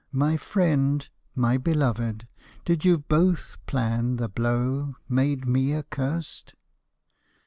My friend, my beloved, did you both plan the blow Made me accurst?